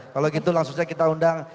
kalau gitu langsung saja kita undang